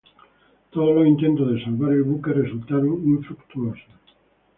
Todos los intentos de salvar el buque resultaron infructuosos.